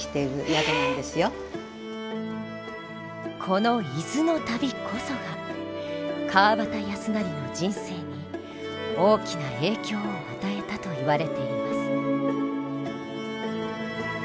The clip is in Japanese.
この伊豆の旅こそが川端康成の人生に大きな影響を与えたといわれています。